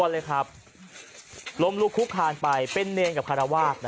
ก่อนเลยครับลมลูกคุกคานไปเป็นเนรนด์กับฮาราวาสนะฮะ